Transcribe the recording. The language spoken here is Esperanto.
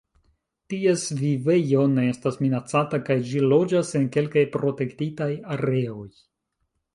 Ties vivejo ne estas minacata kaj ĝi loĝas en kelkaj protektitaj areoj.